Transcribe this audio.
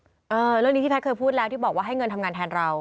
เรื่องนี้ที่แพทย์เคยพูดแล้วที่บอกว่าให้เงินทำงานแทนเรา